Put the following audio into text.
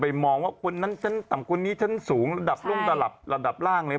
มองว่าคนนั้นชั้นต่ำคนนี้ชั้นสูงระดับลงระดับล่างเลย